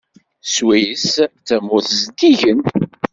Swiss d tamurt zeddigen.